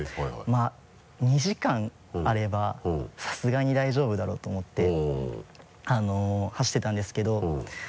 まぁ２時間あればさすがに大丈夫だろうと思って走っていたんですけど。